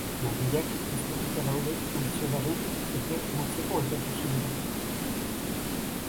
Langileak kezkatuta daude ontziolaren epe motzeko etorkizunagatik.